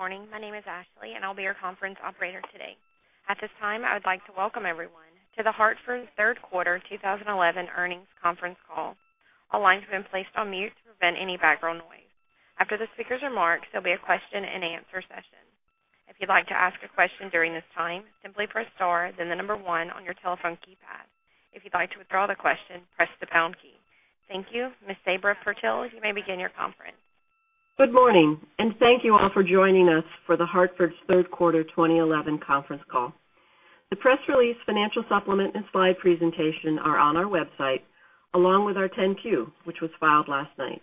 Morning. My name is Ashley, and I'll be your conference operator today. At this time, I would like to welcome everyone to The Hartford's third quarter 2011 earnings conference call. All lines have been placed on mute to prevent any background noise. After the speaker's remarks, there'll be a question-and-answer session. If you'd like to ask a question during this time, simply press star then the number one on your telephone keypad. If you'd like to withdraw the question, press the pound key. Thank you. Ms. Sabra Purtill, you may begin your conference. Good morning, and thank you all for joining us for The Hartford's third quarter 2011 conference call. The press release, financial supplement, and slide presentation are on our website, along with our 10-Q, which was filed last night.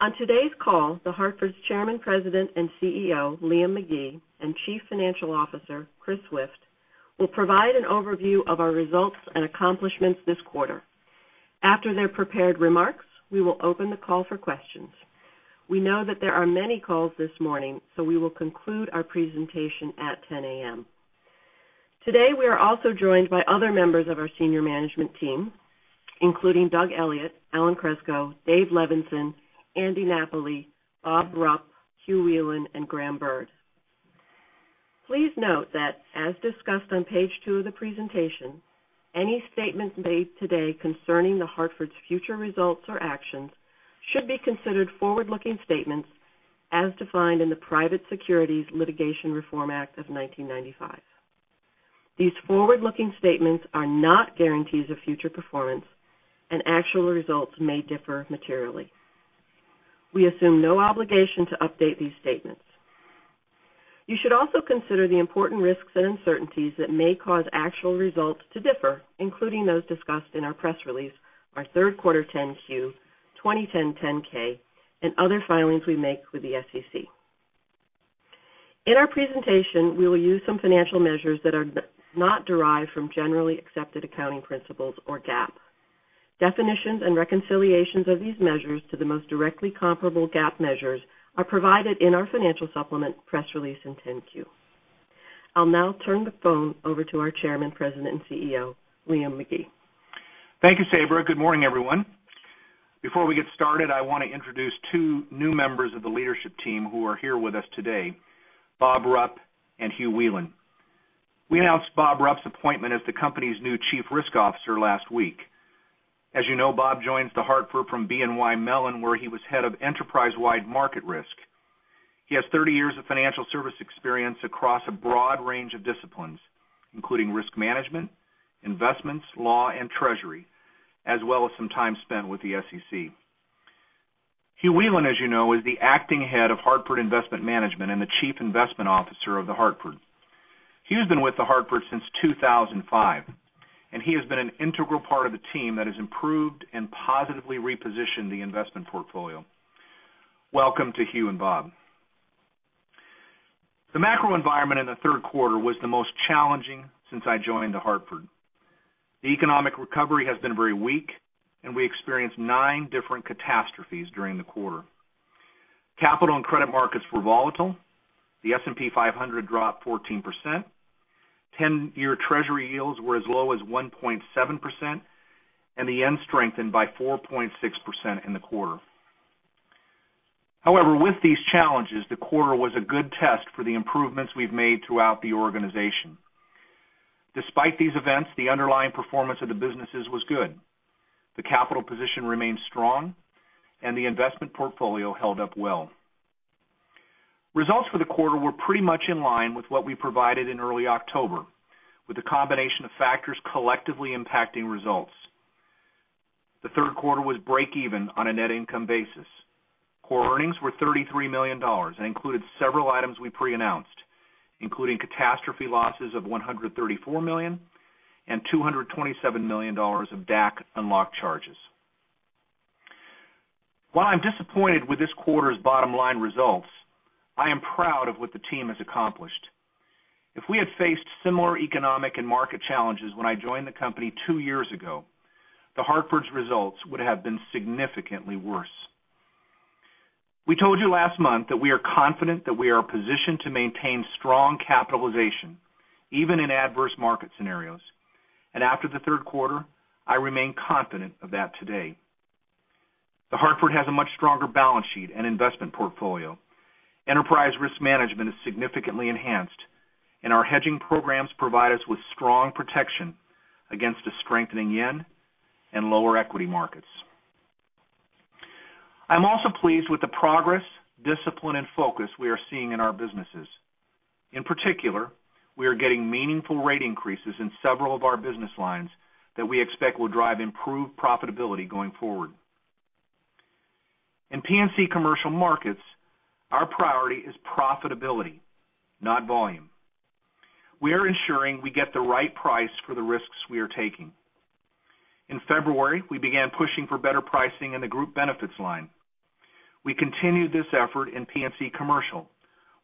On today's call, The Hartford's Chairman, President, and CEO, Liam McGee, and Chief Financial Officer, Chris Swift, will provide an overview of our results and accomplishments this quarter. After their prepared remarks, we will open the call for questions. We know that there are many calls this morning, so we will conclude our presentation at 10:00 A.M. Today we are also joined by other members of our senior management team, including Doug Elliot, Alan Kreczko, Dave Levenson, Andy Napoli, Robert Rupp, Hugh Whelan, and Graham Byrd. Please note that as discussed on page two of the presentation, any statements made today concerning The Hartford's future results or actions should be considered forward-looking statements as defined in the Private Securities Litigation Reform Act of 1995. These forward-looking statements are not guarantees of future performance, and actual results may differ materially. We assume no obligation to update these statements. You should also consider the important risks and uncertainties that may cause actual results to differ, including those discussed in our press release, our third quarter 10-Q, 2010 10-K, and other filings we make with the SEC. In our presentation, we will use some financial measures that are not derived from generally accepted accounting principles or GAAP. Definitions and reconciliations of these measures to the most directly comparable GAAP measures are provided in our financial supplement, press release, and 10-Q. I'll now turn the phone over to our Chairman, President, and CEO, Liam McGee. Thank you, Sabra. Good morning, everyone. Before we get started, I want to introduce two new members of the leadership team who are here with us today, Bob Rupp and Hugh Whelan. We announced Bob Rupp's appointment as the company's new Chief Risk Officer last week. As you know, Bob joins The Hartford from BNY Mellon, where he was head of enterprise-wide market risk. He has 30 years of financial service experience across a broad range of disciplines, including risk management, investments, law, and treasury, as well as some time spent with the SEC. Hugh Whelan, as you know, is the Acting Head of Hartford Investment Management and the Chief Investment Officer of The Hartford. Hugh's been with The Hartford since 2005, and he has been an integral part of the team that has improved and positively repositioned the investment portfolio. Welcome to Hugh and Bob. The macro environment in the third quarter was the most challenging since I joined The Hartford. The economic recovery has been very weak, and we experienced nine different catastrophes during the quarter. Capital and credit markets were volatile. The S&P 500 dropped 14%. 10-year Treasury yields were as low as 1.7%, and the JPY strengthened by 4.6% in the quarter. However, with these challenges, the quarter was a good test for the improvements we've made throughout the organization. Despite these events, the underlying performance of the businesses was good. The capital position remained strong, and the investment portfolio held up well. Results for the quarter were pretty much in line with what we provided in early October, with a combination of factors collectively impacting results. The third quarter was break-even on a net income basis. Core earnings were $33 million and included several items we pre-announced, including catastrophe losses of $134 million and $227 million of DAC unlock charges. While I'm disappointed with this quarter's bottom-line results, I am proud of what the team has accomplished. If we had faced similar economic and market challenges when I joined the company two years ago, The Hartford's results would have been significantly worse. We told you last month that we are confident that we are positioned to maintain strong capitalization, even in adverse market scenarios. After the third quarter, I remain confident of that today. The Hartford has a much stronger balance sheet and investment portfolio. Enterprise risk management is significantly enhanced, and our hedging programs provide us with strong protection against a strengthening JPY and lower equity markets. I'm also pleased with the progress, discipline, and focus we are seeing in our businesses. In particular, we are getting meaningful rate increases in several of our business lines that we expect will drive improved profitability going forward. In P&C Commercial Markets, our priority is profitability, not volume. We are ensuring we get the right price for the risks we are taking. In February, we began pushing for better pricing in the group benefits line. We continued this effort in P&C Commercial,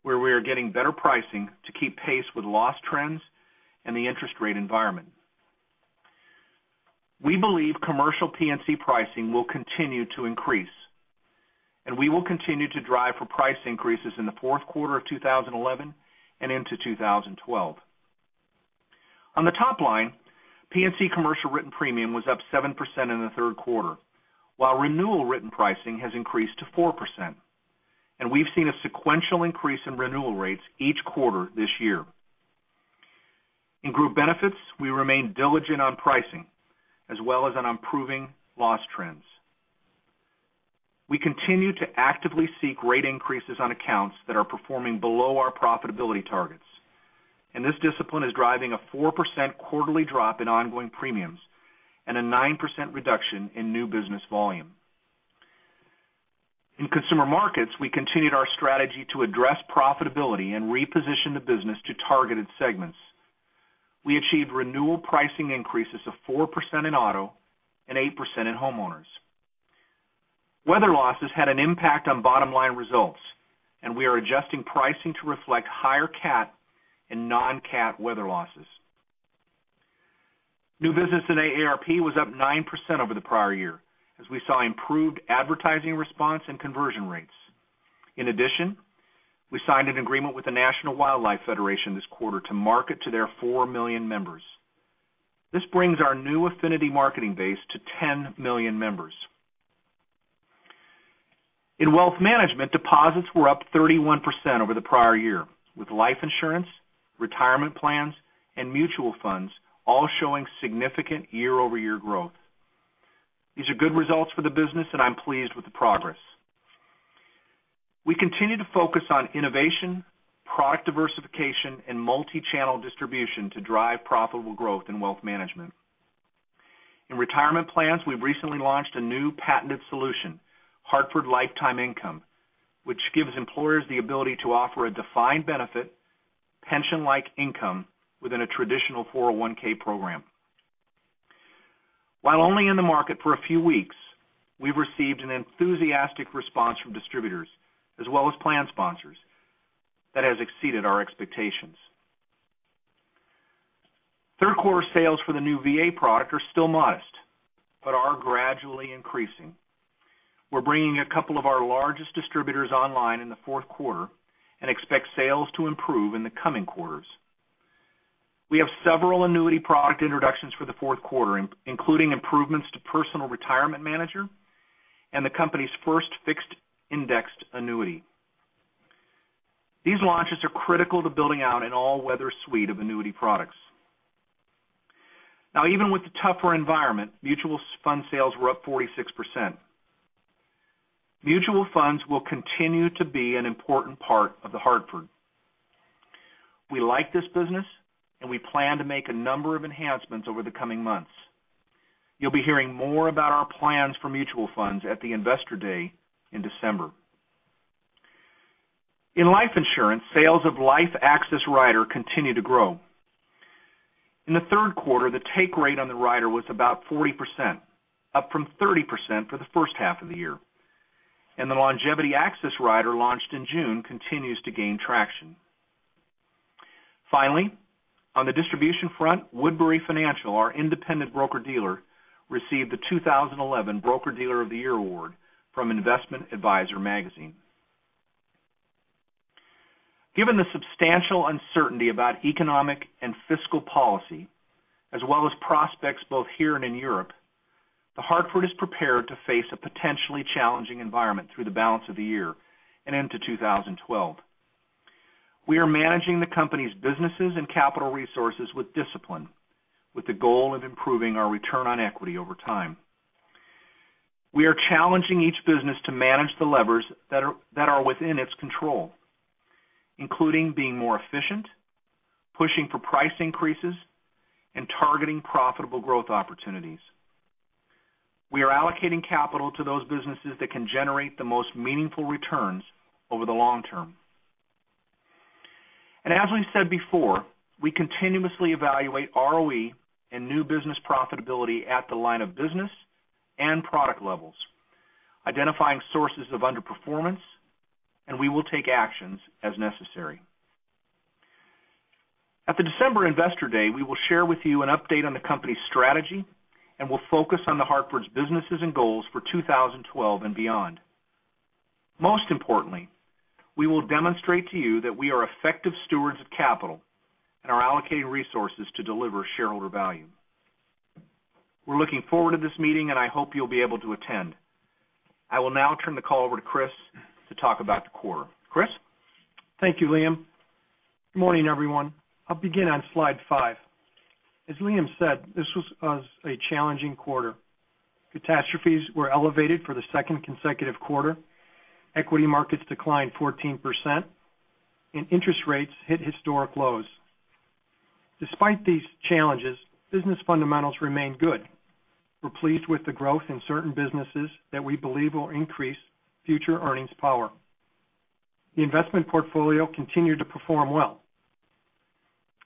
where we are getting better pricing to keep pace with loss trends and the interest rate environment. We believe commercial P&C pricing will continue to increase, and we will continue to drive for price increases in the fourth quarter of 2011 and into 2012. On the top line, P&C Commercial written premium was up 7% in the third quarter, while renewal written pricing has increased to 4%. We've seen a sequential increase in renewal rates each quarter this year. In group benefits, we remain diligent on pricing as well as on improving loss trends. We continue to actively seek rate increases on accounts that are performing below our profitability targets, and this discipline is driving a 4% quarterly drop in ongoing premiums and a 9% reduction in new business volume. In Consumer Markets, we continued our strategy to address profitability and reposition the business to targeted segments. We achieved renewal pricing increases of 4% in auto and 8% in homeowners. Weather losses had an impact on bottom-line results, and we are adjusting pricing to reflect higher cat and non-cat weather losses. New business in AARP was up 9% over the prior year, as we saw improved advertising response and conversion rates. In addition, we signed an agreement with the National Wildlife Federation this quarter to market to their 4 million members. This brings our new affinity marketing base to 10 million members. In Wealth Management, deposits were up 31% over the prior year, with life insurance, retirement plans, and mutual funds all showing significant year-over-year growth. These are good results for the business, and I'm pleased with the progress. We continue to focus on innovation, product diversification, and multi-channel distribution to drive profitable growth in Wealth Management. In retirement plans, we've recently launched a new patented solution, Hartford Lifetime Income, which gives employers the ability to offer a defined benefit, pension-like income within a traditional 401(k) program. While only in the market for a few weeks, we've received an enthusiastic response from distributors as well as plan sponsors that has exceeded our expectations. Third quarter sales for the new VA product are still modest but are gradually increasing. We're bringing a couple of our largest distributors online in the fourth quarter and expect sales to improve in the coming quarters. We have several annuity product introductions for the fourth quarter, including improvements to Personal Retirement Manager and the company's first fixed-indexed annuity. These launches are critical to building out an all-weather suite of annuity products. Even with the tougher environment, mutual fund sales were up 46%. Mutual funds will continue to be an important part of The Hartford. We like this business, and we plan to make a number of enhancements over the coming months. You'll be hearing more about our plans for mutual funds at the Investor Day in December. In life insurance, sales of LifeAccess Rider continue to grow. In the third quarter, the take rate on the rider was about 40%, up from 30% for the first half of the year, and the LongevityAccess Rider launched in June continues to gain traction. Finally, on the distribution front, Woodbury Financial, our independent broker-dealer, received the 2011 Broker-Dealer of the Year award from Investment Advisor magazine. Given the substantial uncertainty about economic and fiscal policy, as well as prospects both here and in Europe, The Hartford is prepared to face a potentially challenging environment through the balance of the year and into 2012. We are managing the company's businesses and capital resources with discipline, with the goal of improving our return on equity over time. We are challenging each business to manage the levers that are within its control, including being more efficient, pushing for price increases, and targeting profitable growth opportunities. We are allocating capital to those businesses that can generate the most meaningful returns over the long term. As we said before, we continuously evaluate ROE and new business profitability at the line of business and product levels, identifying sources of underperformance, and we will take actions as necessary. At the December Investor Day, we will share with you an update on the company's strategy, and we'll focus on The Hartford's businesses and goals for 2012 and beyond. Most importantly, we will demonstrate to you that we are effective stewards of capital and are allocating resources to deliver shareholder value. We're looking forward to this meeting, and I hope you'll be able to attend. I will now turn the call over to Chris to talk about the quarter. Chris? Thank you, Liam. Good morning, everyone. I'll begin on slide five. As Liam said, this was a challenging quarter. Catastrophes were elevated for the second consecutive quarter. Equity markets declined 14%, and interest rates hit historic lows. Despite these challenges, business fundamentals remain good. We're pleased with the growth in certain businesses that we believe will increase future earnings power. The investment portfolio continued to perform well.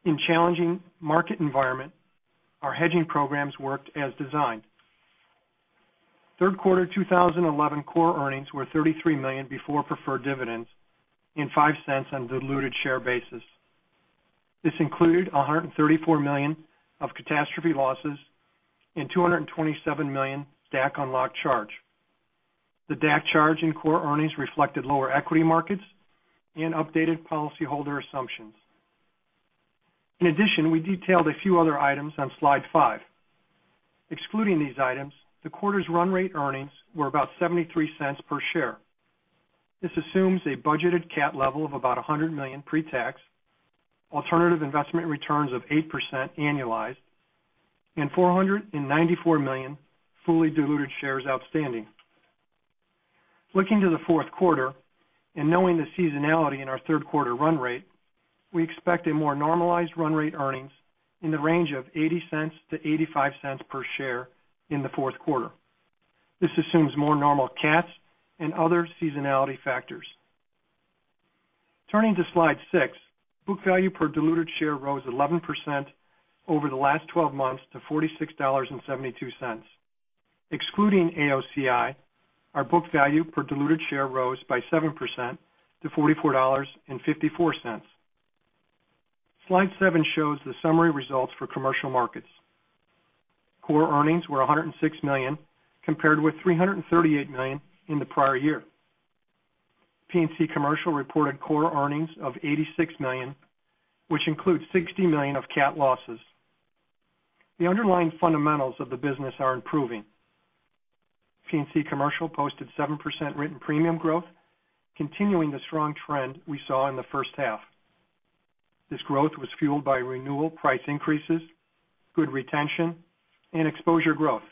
In challenging market environment, our hedging programs worked as designed. Third quarter 2011 core earnings were $33 million before preferred dividends and $0.05 on a diluted share basis. This included $134 million of catastrophe losses and $227 million DAC unlock charge. The DAC charge in core earnings reflected lower equity markets and updated policyholder assumptions. In addition, we detailed a few other items on slide five. Excluding these items, the quarter's run rate earnings were about $0.73 per share. This assumes a budgeted cat level of about $100 million pre-tax, alternative investment returns of 8% annualized, and 494 million fully diluted shares outstanding. Looking to the fourth quarter and knowing the seasonality in our third quarter run rate, we expect a more normalized run rate earnings in the range of $0.80-$0.85 per share in the fourth quarter. This assumes more normal cats and other seasonality factors. Turning to slide six, book value per diluted share rose 11% over the last 12 months to $46.72. Excluding AOCI, our book value per diluted share rose by 7% to $44.54. Slide seven shows the summary results for Commercial Markets. Core earnings were $106 million compared with $338 million in the prior year. P&C Commercial reported core earnings of $86 million, which includes $60 million of cat losses. The underlying fundamentals of the business are improving. P&C Commercial posted 7% written premium growth, continuing the strong trend we saw in the first half. This growth was fueled by renewal price increases, good retention, and exposure growth.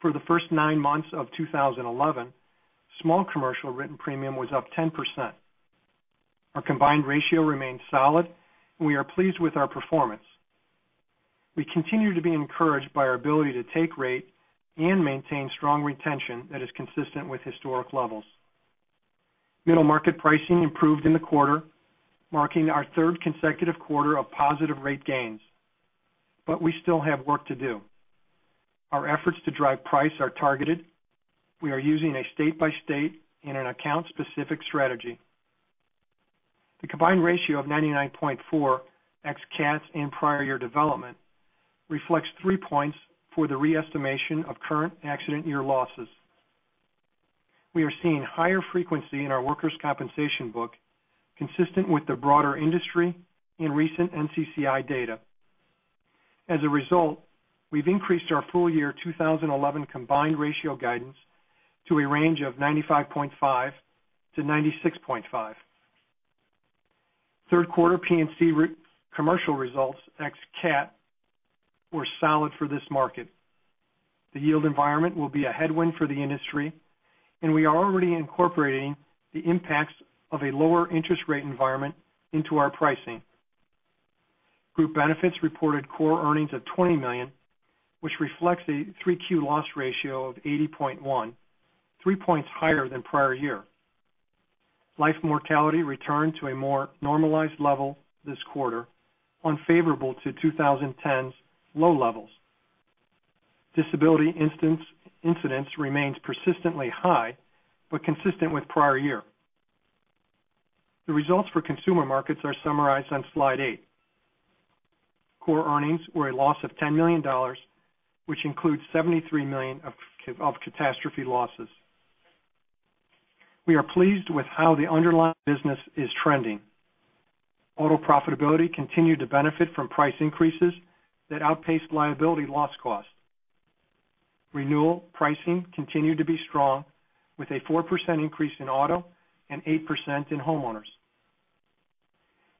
For the first nine months of 2011, small commercial written premium was up 10%. Our combined ratio remains solid, and we are pleased with our performance. We continue to be encouraged by our ability to take rate and maintain strong retention that is consistent with historic levels. Middle market pricing improved in the quarter, marking our third consecutive quarter of positive rate gains. We still have work to do. Our efforts to drive price are targeted. We are using a state-by-state and an account-specific strategy. The combined ratio of 99.4 ex cats and prior year development reflects three points for the re-estimation of current accident year losses. We are seeing higher frequency in our workers' compensation book, consistent with the broader industry and recent NCCI data. As a result, we've increased our full year 2011 combined ratio guidance to a range of 95.5%-96.5%. Third quarter P&C Commercial results ex cat were solid for this market. The yield environment will be a headwind for the industry, and we are already incorporating the impacts of a lower interest rate environment into our pricing. Group Benefits reported core earnings of $20 million, which reflects a Q3 loss ratio of 80.1%, three points higher than prior year. Life mortality returned to a more normalized level this quarter, unfavorable to 2010's low levels. Disability incidence remains persistently high but consistent with prior year. The results for Consumer Markets are summarized on slide eight. Core earnings were a loss of $10 million, which includes $73 million of catastrophe losses. We are pleased with how the underlying business is trending. Auto profitability continued to benefit from price increases that outpaced liability loss cost. Renewal pricing continued to be strong with a 4% increase in auto and 8% in homeowners.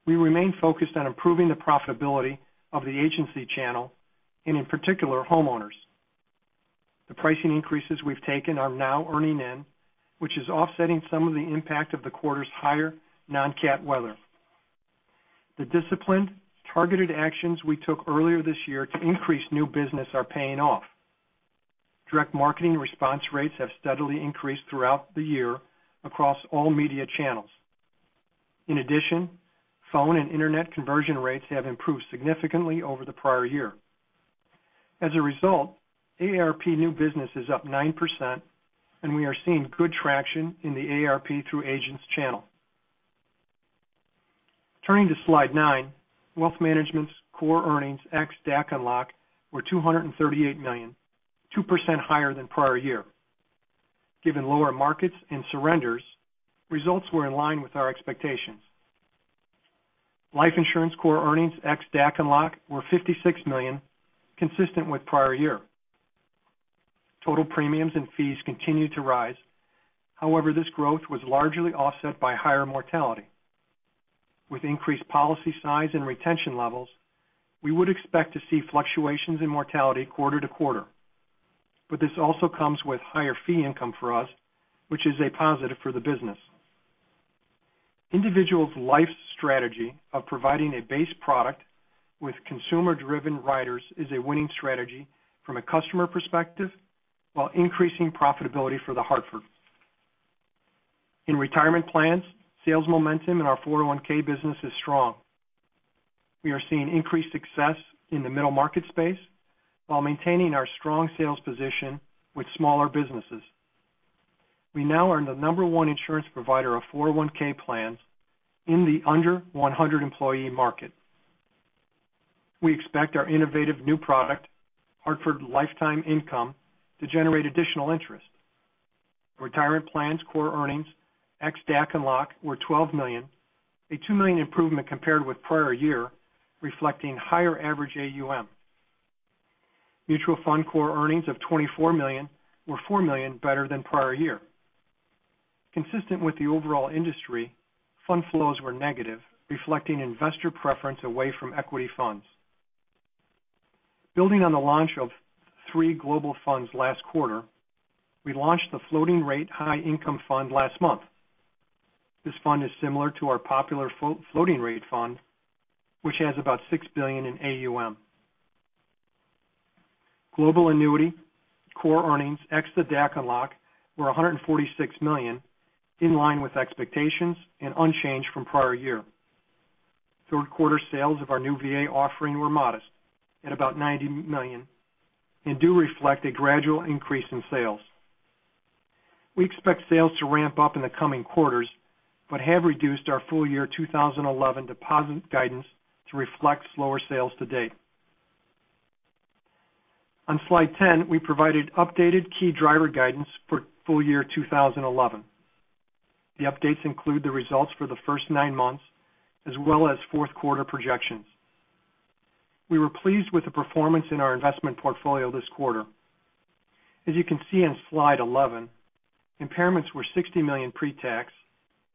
We remain focused on improving the profitability of the agency channel and in particular, homeowners. The pricing increases we've taken are now earning in, which is offsetting some of the impact of the quarter's higher non-cat weather. The disciplined, targeted actions we took earlier this year to increase new business are paying off. Direct marketing response rates have steadily increased throughout the year across all media channels. In addition, phone and internet conversion rates have improved significantly over the prior year. As a result, AARP new business is up 9%, and we are seeing good traction in the AARP through agents channel. Turning to slide nine, Wealth Management's core earnings ex DAC and LOC were $238 million, 2% higher than prior year. Given lower markets and surrenders, results were in line with our expectations. Life insurance core earnings ex DAC and LOC were $56 million, consistent with prior year. Total premiums and fees continued to rise. However, this growth was largely offset by higher mortality. With increased policy size and retention levels, we would expect to see fluctuations in mortality quarter to quarter. This also comes with higher fee income for us, which is a positive for the business. Individuals life strategy of providing a base product with consumer-driven riders is a winning strategy from a customer perspective while increasing profitability for The Hartford. In retirement plans, sales momentum in our 401 business is strong. We are seeing increased success in the middle market space while maintaining our strong sales position with smaller businesses. We now are the number one insurance provider of 401 plans in the under 100 employee market. We expect our innovative new product, Hartford Lifetime Income, to generate additional interest. Retirement plans core earnings, ex DAC and LOC, were $12 million, a $2 million improvement compared with prior year, reflecting higher average AUM. Mutual fund core earnings of $24 million were $4 million better than prior year. Consistent with the overall industry, fund flows were negative, reflecting investor preference away from equity funds. Building on the launch of three global funds last quarter, we launched the Floating Rate High Income Fund last month. This fund is similar to our popular Floating Rate Fund, which has about $6 billion in AUM. Global Annuity core earnings, ex the DAC and LOC, were $146 million, in line with expectations and unchanged from prior year. Third quarter sales of our new VA offering were modest at about $90 million and do reflect a gradual increase in sales. We expect sales to ramp up in the coming quarters, but have reduced our full year 2011 deposit guidance to reflect slower sales to date. On slide 10, we provided updated key driver guidance for full year 2011. The updates include the results for the first nine months as well as fourth quarter projections. We were pleased with the performance in our investment portfolio this quarter. As you can see on slide 11, impairments were $60 million pre-tax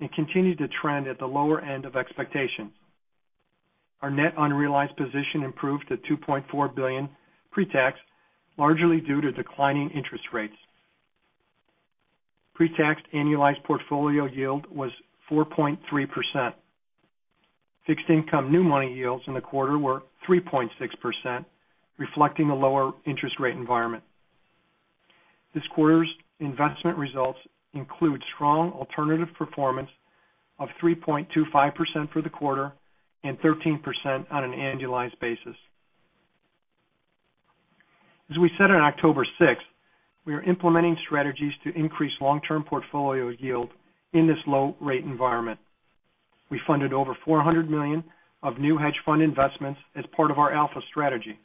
and continued to trend at the lower end of expectations. Our net unrealized position improved to $2.4 billion pre-tax, largely due to declining interest rates. Pre-tax annualized portfolio yield was 4.3%. Fixed income new money yields in the quarter were 3.6%, reflecting a lower interest rate environment. This quarter's investment results include strong alternative performance of 3.25% for the quarter and 13% on an annualized basis. As we said on October 6, we are implementing strategies to increase long-term portfolio yield in this low rate environment. We funded over $400 million of new hedge fund investments as part of our alpha strategy.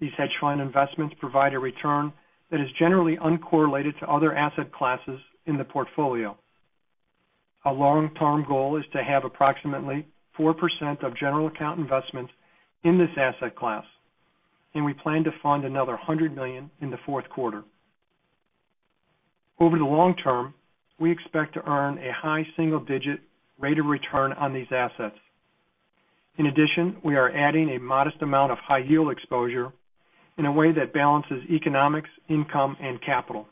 These hedge fund investments provide a return that is generally uncorrelated to other asset classes in the portfolio. Our long-term goal is to have approximately 4% of general account investments in this asset class, and we plan to fund another $100 million in the fourth quarter. Over the long term, we expect to earn a high single-digit rate of return on these assets. In addition, we are adding a modest amount of high yield exposure in a way that balances economics, income, and capital.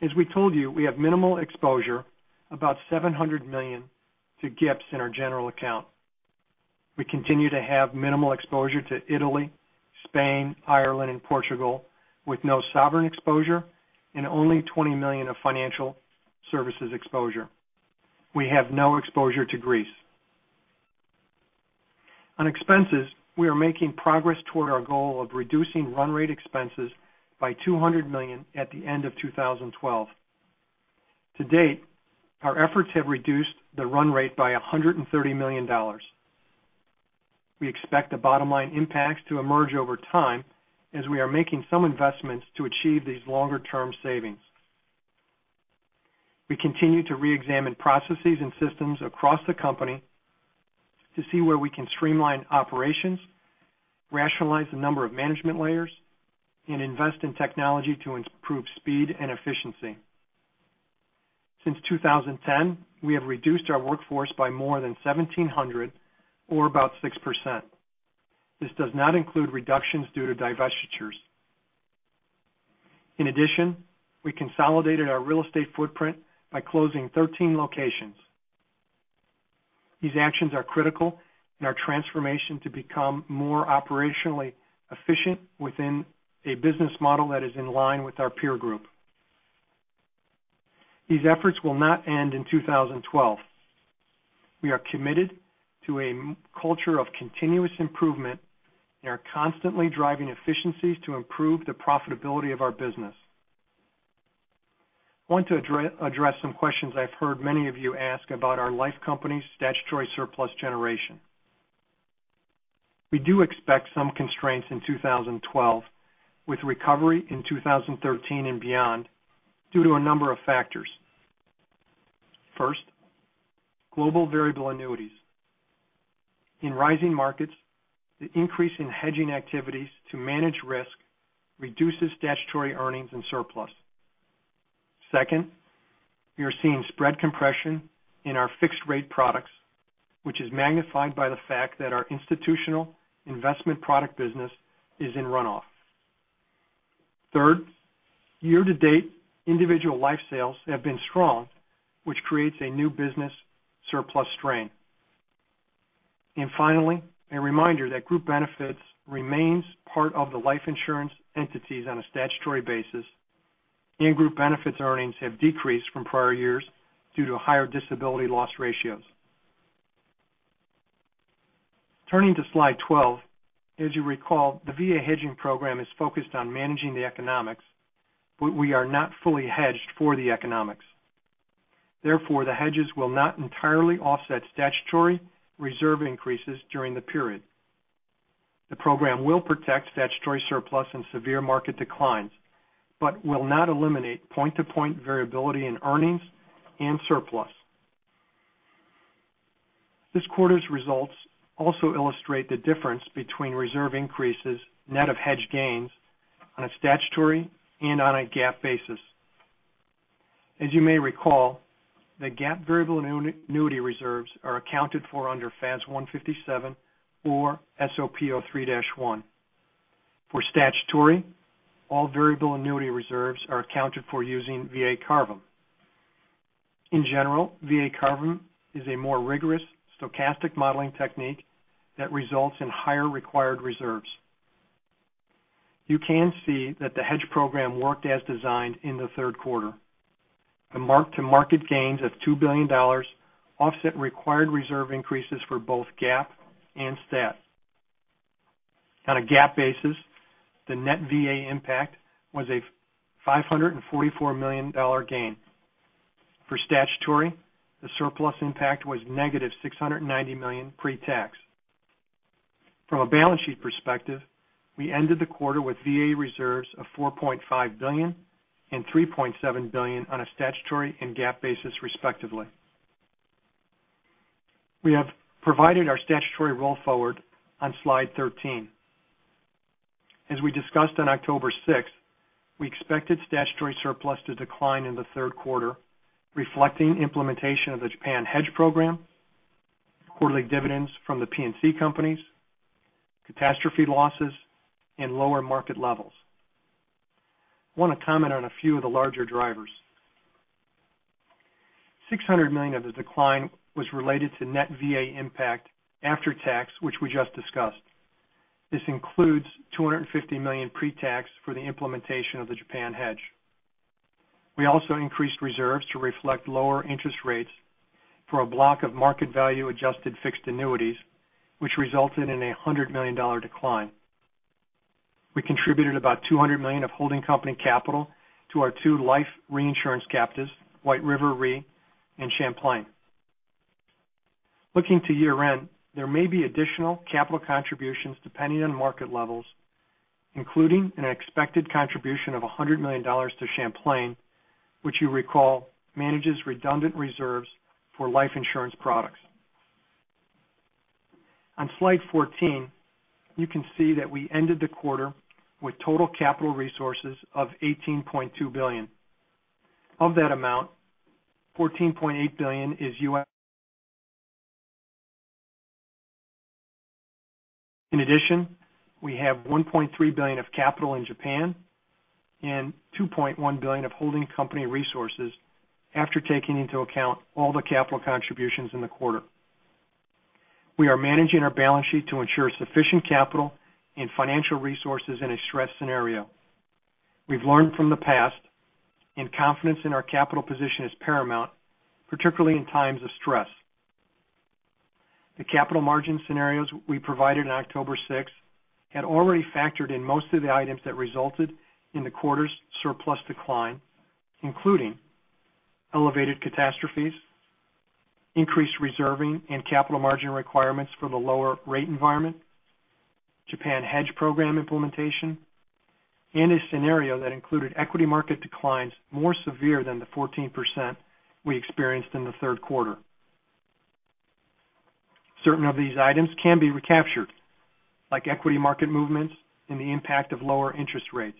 As we told you, we have minimal exposure, about $700 million, to GIIPS in our general account. We continue to have minimal exposure to Italy, Spain, Ireland, and Portugal, with no sovereign exposure and only $20 million of financial services exposure. We have no exposure to Greece. On expenses, we are making progress toward our goal of reducing run rate expenses by $200 million at the end of 2012. To date, our efforts have reduced the run rate by $130 million. We expect the bottom line impacts to emerge over time as we are making some investments to achieve these longer-term savings. We continue to reexamine processes and systems across the company to see where we can streamline operations, rationalize the number of management layers, and invest in technology to improve speed and efficiency. Since 2010, we have reduced our workforce by more than 1,700, or about 6%. This does not include reductions due to divestitures. In addition, we consolidated our real estate footprint by closing 13 locations. These actions are critical in our transformation to become more operationally efficient within a business model that is in line with our peer group. These efforts will not end in 2012. We are committed to a culture of continuous improvement and are constantly driving efficiencies to improve the profitability of our business. I want to address some questions I've heard many of you ask about our life company statutory surplus generation. We do expect some constraints in 2012, with recovery in 2013 and beyond, due to a number of factors. First, global variable annuities. In rising markets, the increase in hedging activities to manage risk reduces statutory earnings and surplus. Second, we are seeing spread compression in our fixed rate products, which is magnified by the fact that our institutional investment product business is in runoff. Third, year to date, individual life sales have been strong, which creates a new business surplus strain. Finally, a reminder that group benefits remains part of the life insurance entities on a statutory basis, and group benefits earnings have decreased from prior years due to higher disability loss ratios. Turning to slide 12. As you recall, the VA hedging program is focused on managing the economics, but we are not fully hedged for the economics. Therefore, the hedges will not entirely offset statutory reserve increases during the period. The program will protect statutory surplus and severe market declines, but will not eliminate point-to-point variability in earnings and surplus. This quarter's results also illustrate the difference between reserve increases, net of hedge gains, on a statutory and on a GAAP basis. As you may recall, the GAAP variable annuity reserves are accounted for under FAS 157 or SOP 03-1. For statutory, all variable annuity reserves are accounted for using VA CARVM. In general, VA CARVM is a more rigorous stochastic modeling technique that results in higher required reserves. You can see that the hedge program worked as designed in the third quarter. The mark-to-market gains of $2 billion offset required reserve increases for both GAAP and stat. On a GAAP basis, the net VA impact was a $544 million gain. For statutory, the surplus impact was $-690 million pre-tax. From a balance sheet perspective, we ended the quarter with VA reserves of $4.5 billion and $3.7 billion on a statutory and GAAP basis, respectively. We have provided our statutory roll forward on slide 13. As we discussed on October 6th, we expected statutory surplus to decline in the third quarter, reflecting implementation of the Japan hedge program, quarterly dividends from the P&C companies, catastrophe losses, and lower market levels. I want to comment on a few of the larger drivers. $600 million of the decline was related to net VA impact after tax, which we just discussed. This includes $250 million pre-tax for the implementation of the Japan hedge. We also increased reserves to reflect lower interest rates for a block of market value adjusted fixed annuities, which resulted in a $100 million decline. We contributed about $200 million of holding company capital to our two life reinsurance captives, White River Re and Champlain. Looking to year-end, there may be additional capital contributions depending on market levels, including an expected contribution of $100 million to Champlain, which you recall manages redundant reserves for life insurance products. On slide 14, you can see that we ended the quarter with total capital resources of $18.2 billion. Of that amount, $14.8 billion is U.S. In addition, we have $1.3 billion of capital in Japan and $2.1 billion of holding company resources after taking into account all the capital contributions in the quarter. We are managing our balance sheet to ensure sufficient capital and financial resources in a stress scenario. We've learned from the past and confidence in our capital position is paramount, particularly in times of stress. The capital margin scenarios we provided on October 6th had already factored in most of the items that resulted in the quarter's surplus decline, including elevated catastrophes, increased reserving and capital margin requirements for the lower rate environment, Japan hedge program implementation, and a scenario that included equity market declines more severe than the 14% we experienced in the third quarter. Certain of these items can be recaptured, like equity market movements and the impact of lower interest rates.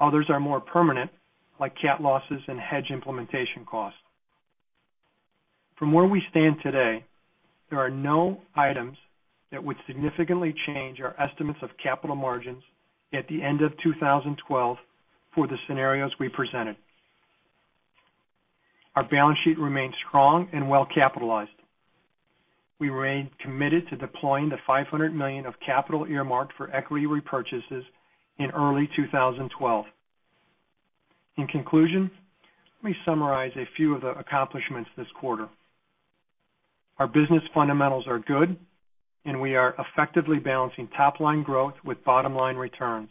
Others are more permanent, like cat losses and hedge implementation costs. From where we stand today, there are no items that would significantly change our estimates of capital margins at the end of 2012 for the scenarios we presented. Our balance sheet remains strong and well-capitalized. We remain committed to deploying the $500 million of capital earmarked for equity repurchases in early 2012. In conclusion, let me summarize a few of the accomplishments this quarter. Our business fundamentals are good, and we are effectively balancing top-line growth with bottom-line returns.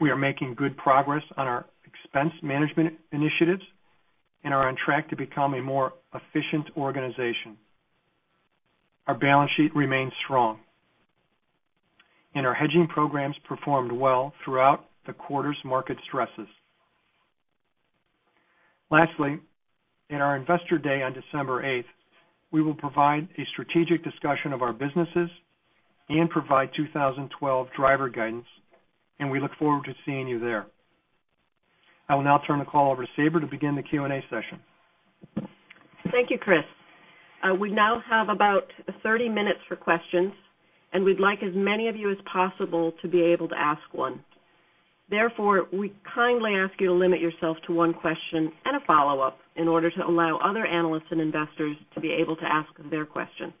We are making good progress on our expense management initiatives and are on track to become a more efficient organization. Our balance sheet remains strong, and our hedging programs performed well throughout the quarter's market stresses. Lastly, in our Investor Day on December 8th, we will provide a strategic discussion of our businesses and provide 2012 driver guidance, and we look forward to seeing you there. I will now turn the call over to Sabra to begin the Q&A session. Thank you, Chris. We now have about 30 minutes for questions, and we'd like as many of you as possible to be able to ask one. Therefore, we kindly ask you to limit yourself to one question and a follow-up in order to allow other analysts and investors to be able to ask their question.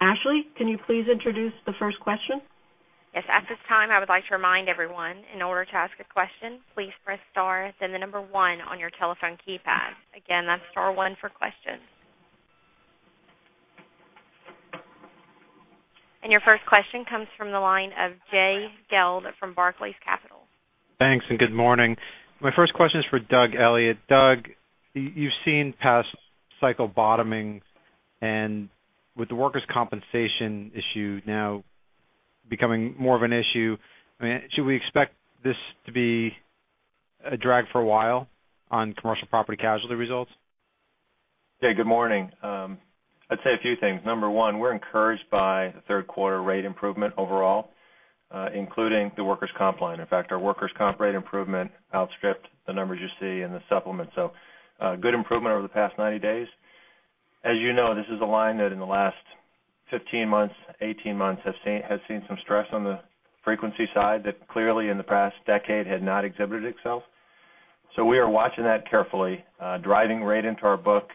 Ashley, can you please introduce the first question? Yes, at this time, I would like to remind everyone, in order to ask a question, please press star, then the number one on your telephone keypad. Again, that's star 1 for questions. Your first question comes from the line of Jay Gelb from Barclays Capital. Thanks. Good morning. My first question is for Doug Elliot. Doug, you've seen past cycle bottoming and with the workers' compensation issue now becoming more of an issue, should we expect this to be a drag for a while on commercial property casualty results? Yeah, good morning. I'd say a few things. Number one, we're encouraged by the third quarter rate improvement overall, including the workers' comp line. In fact, our workers' comp rate improvement outstripped the numbers you see in the supplement. Good improvement over the past 90 days. As you know, this is a line that in the last 15 months, 18 months, has seen some stress on the frequency side that clearly in the past decade had not exhibited itself. We are watching that carefully, driving rate into our book,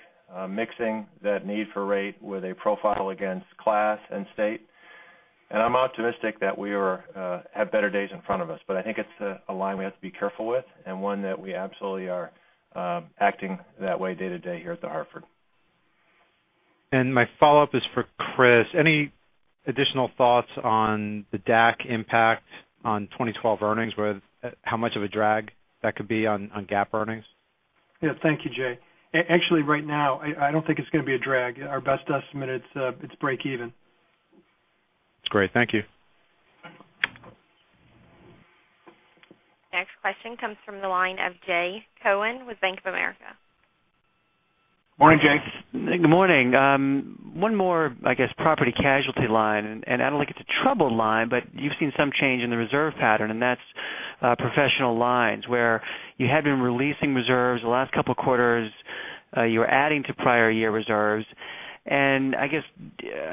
mixing that need for rate with a profile against class and state. I'm optimistic that we have better days in front of us. I think it's a line we have to be careful with and one that we absolutely are acting that way day to day here at The Hartford. My follow-up is for Chris. Any additional thoughts on the DAC impact on 2012 earnings, how much of a drag that could be on GAAP earnings? Yeah, thank you, Jay. Actually, right now, I don't think it's going to be a drag. Our best estimate, it's break-even. Great. Thank you. Next question comes from the line of Jay Cohen with Bank of America. Morning, Jay. Good morning. One more, I guess, property casualty line, and I don't think it's a troubled line, but you've seen some change in the reserve pattern, and that's professional lines, where you had been releasing reserves the last couple of quarters, you're adding to prior year reserves, and I guess,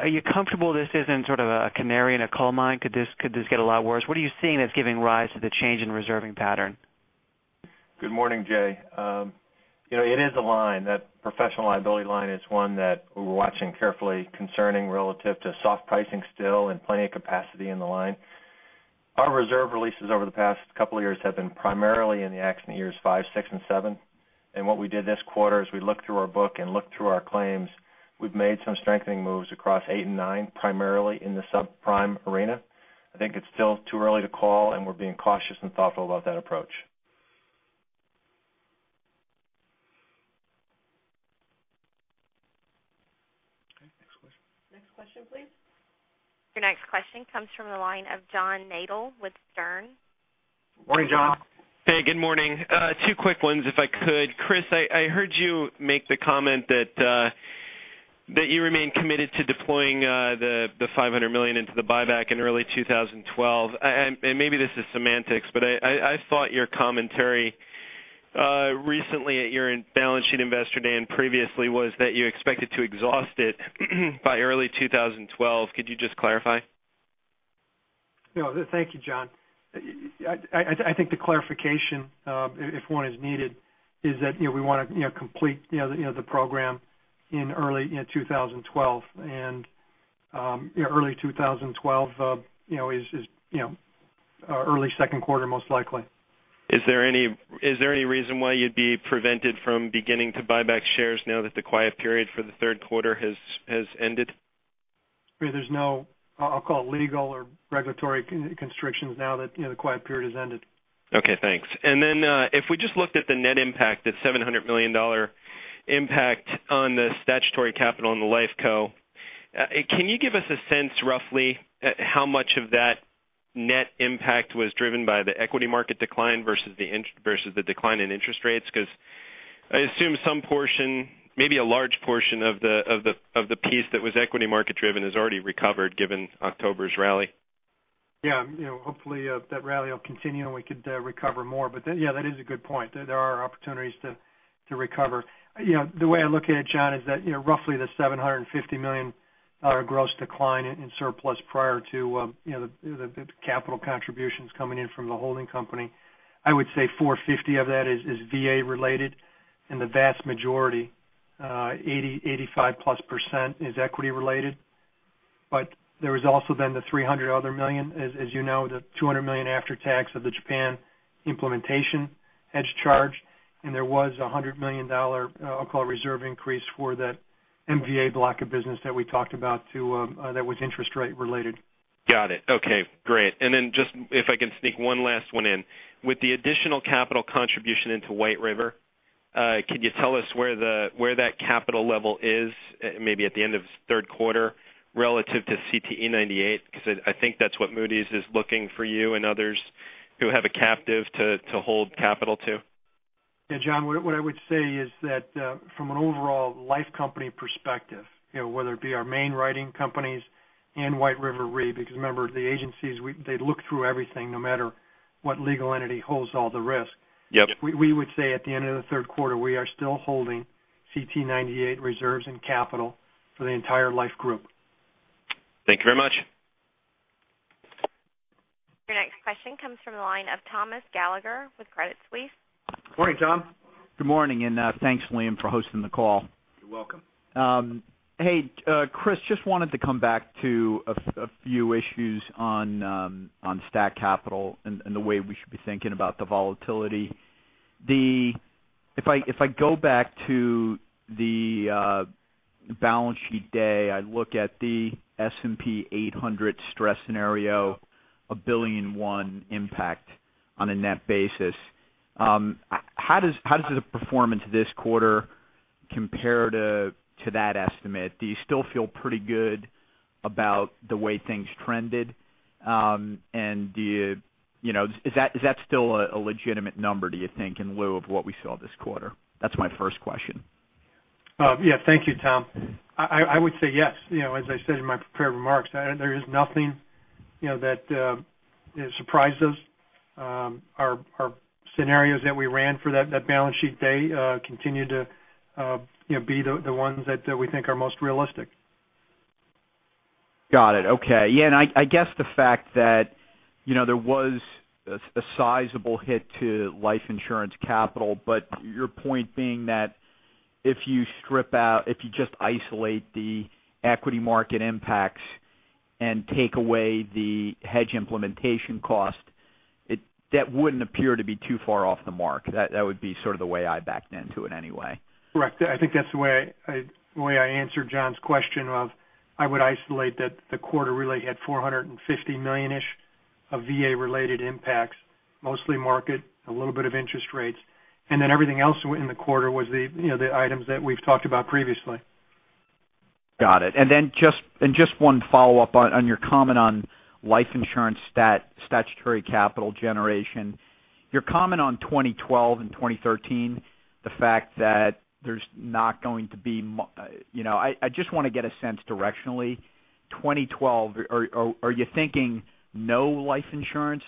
are you comfortable this isn't sort of a canary in a coal mine? Could this get a lot worse? What are you seeing that's giving rise to the change in reserving pattern? Good morning, Jay. It is a line. That professional liability line is one that we're watching carefully concerning relative to soft pricing still and plenty of capacity in the line. Our reserve releases over the past couple of years have been primarily in the accident years five, six, and seven. What we did this quarter is we looked through our book and looked through our claims. We've made some strengthening moves across eight and nine, primarily in the subprime arena. I think it's still too early to call, and we're being cautious and thoughtful about that approach. Okay, next question. Next question, please. Your next question comes from the line of John Nadel with Sterne. Morning, John. Hey, good morning. Two quick ones, if I could. Chris, I heard you make the comment that you remain committed to deploying the $500 million into the buyback in early 2012. Maybe this is semantics, but I thought your commentary recently at your balance sheet investor day and previously was that you expected to exhaust it by early 2012. Could you just clarify? No, thank you, John I think the clarification, if one is needed, is that we want to complete the program in early 2012. Early 2012 is early second quarter, most likely. Is there any reason why you'd be prevented from beginning to buy back shares now that the quiet period for the third quarter has ended? There's no, I'll call it legal or regulatory constrictions now that the quiet period has ended. Okay, thanks. If we just looked at the net impact, that $700 million impact on the statutory capital in the Life Co. Can you give us a sense roughly how much of that net impact was driven by the equity market decline versus the decline in interest rates? I assume some portion, maybe a large portion of the piece that was equity market driven is already recovered, given October's rally. Hopefully, that rally will continue, and we could recover more. That is a good point. There are opportunities to recover. The way I look at it, John, is that roughly the $750 million gross decline in surplus prior to the capital contributions coming in from the holding company. I would say $450 of that is VA related and the vast majority, 85% plus, is equity related. There was also the $300 other million, as you know, the $200 million after tax of the Japan implementation hedge charge, and there was $100 million, I'll call it reserve increase for that MVA block of business that we talked about too, that was interest rate related. Got it. Okay, great. Just if I can sneak one last one in. With the additional capital contribution into White River, can you tell us where that capital level is maybe at the end of third quarter relative to CTE98? I think that's what Moody's is looking for you and others who have a captive to hold capital to. John, what I would say is that from an overall life company perspective, whether it be our main writing companies and White River Re. Remember, the agencies, they look through everything no matter what legal entity holds all the risk. Yep. We would say at the end of the third quarter, we are still holding CTE98 reserves and capital for the entire life group. Thank you very much. Your next question comes from the line of Thomas Gallagher with Credit Suisse. Morning, Tom. Good morning, and thanks, Liam, for hosting the call. You're welcome. Hey, Chris, just wanted to come back to a few issues on stat capital and the way we should be thinking about the volatility. If I go back to the balance sheet day, I look at the S&P 800 stress scenario, a $1 billion and one impact on a net basis. How does the performance this quarter compare to that estimate? Do you still feel pretty good about the way things trended? Is that still a legitimate number, do you think, in lieu of what we saw this quarter? That's my first question. Yeah. Thank you, Thomas. I would say yes. As I said in my prepared remarks, there is nothing that surprised us. Our scenarios that we ran for that balance sheet day continue to be the ones that we think are most realistic. Got it. Okay. Yeah. I guess the fact that there was a sizable hit to life insurance capital, but your point being that if you just isolate the equity market impacts and take away the hedge implementation cost, that wouldn't appear to be too far off the mark. That would be sort of the way I backed into it anyway. Correct. I think that's the way I answered John's question of, I would isolate that the quarter really had $450 million-ish of VA-related impacts, mostly market, a little bit of interest rates, and then everything else in the quarter was the items that we've talked about previously. Got it. Just one follow-up on your comment on life insurance statutory capital generation. Your comment on 2012 and 2013, the fact that there's not going to be. I just want to get a sense directionally. 2012, are you thinking no life insurance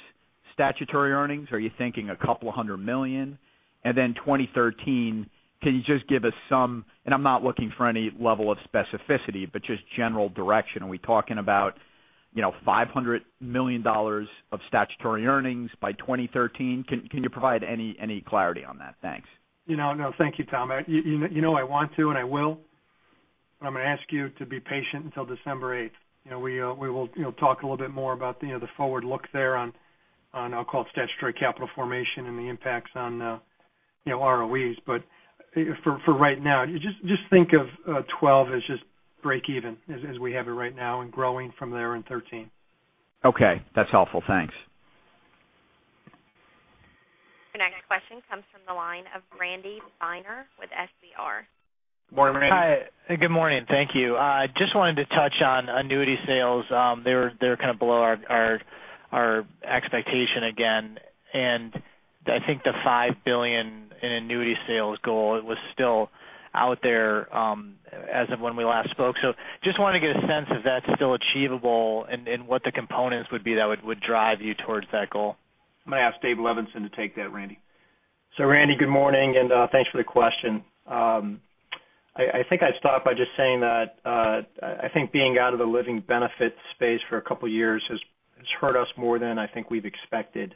statutory earnings? Are you thinking a couple of $100 million? 2013, can you just give us some, I'm not looking for any level of specificity, but just general direction. Are we talking about $500 million of statutory earnings by 2013? Can you provide any clarity on that? Thanks. Thank you, Tom. You know I want to, and I will. I'm going to ask you to be patient until December 8th. We will talk a little bit more about the forward look there on, I'll call it statutory capital formation and the impacts on ROEs. For right now, just think of 2012 as just break even, as we have it right now, and growing from there in 2013. Okay. That's helpful. Thanks. Your next question comes from the line of Randy Binner with FBR. Morning, Randy. Hi. Good morning. Thank you. I just wanted to touch on annuity sales. They're kind of below our expectation again, and I think the $5 billion in annuity sales goal was still out there as of when we last spoke. I just want to get a sense if that's still achievable and what the components would be that would drive you towards that goal. I'm going to ask Dave Levenson to take that, Randy. Randy, good morning, and thanks for the question. I think I'd start by just saying that I think being out of the living benefits space for a couple of years has hurt us more than I think we've expected.